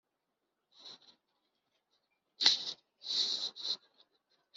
yiyemeza gukora ibi, shimisha